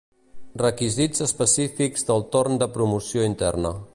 Requisits específics del torn de promoció interna.